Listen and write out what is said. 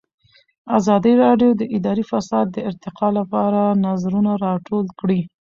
ازادي راډیو د اداري فساد د ارتقا لپاره نظرونه راټول کړي.